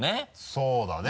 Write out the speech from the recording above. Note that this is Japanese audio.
そうだね。